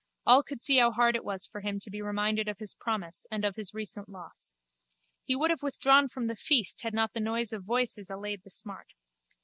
All could see how hard it was for him to be reminded of his promise and of his recent loss. He would have withdrawn from the feast had not the noise of voices allayed the smart.